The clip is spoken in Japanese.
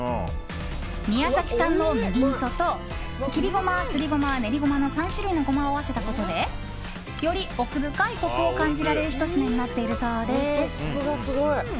宮崎産の麦みそと切りゴマ、すりゴマ、練りゴマの３種類のゴマを合わせたことでより奥深いコクを感じられるひと品となっているそうです。